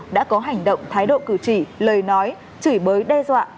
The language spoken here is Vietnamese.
đã có hành động thái độ cử chỉ lời nói chửi bới đe dọa